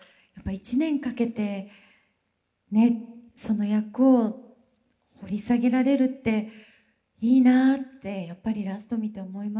１年かけてその役を掘り下げられるっていいなってやっぱりラスト見て思いました。